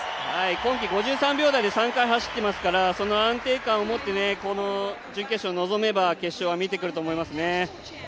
今季５３秒台で３回走ってますからその安定感を持って準決勝に臨めば決勝はみえてくると思いますね。